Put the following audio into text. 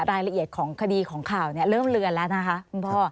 รายละเอียดของคดีของข่าวเริ่มเลือนแล้วนะคะคุณพ่อ